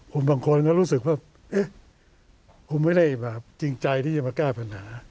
คุณบางคนก็รู้สึกว่าเอ๊ะคุณไม่ได้แบบจริงใจที่จะมาแก้ปัญหา